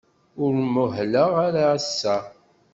Ur muhleɣ ara ass-a.